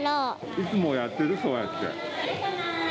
いつもやってる、そうやって。